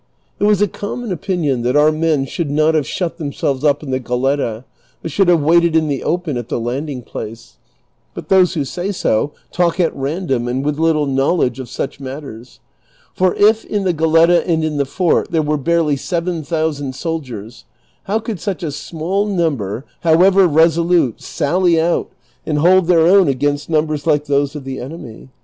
It was a common opinion that our men should not have shut them selves up in the Goletta, but should have waited in the open at the landing place; but those who say so talk at random and with little knowledge of such matters ; for if in the Goletta and in the fort there were barely seven thousand soldiers, how could such a small number, however resolute, sally out and hold their own against numbers like those of the enemy